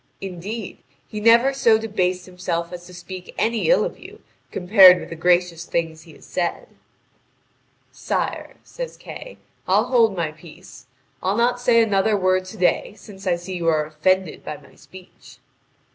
Indeed, he never so debased himself as to speak any ill of you compared with the gracious things he has said." "Sire," says Kay, "I'll hold my peace. I'll not say another word to day, since I see you are offended by my speech."